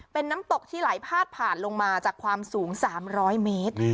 เป็นน้ำตกที่ไหลพาดผ่านลงมาจากความสูง๓๐๐เมตร